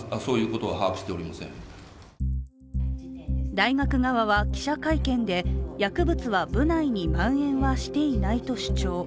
大学側は記者会見で薬物は部内にまん延はしていないと主張。